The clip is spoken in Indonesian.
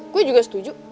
saya juga setuju